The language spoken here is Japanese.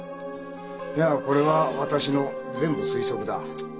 いやこれは私の全部推測だ。